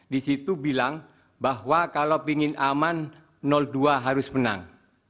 di situ bilang bahwa kalau ingin aman dua harus menang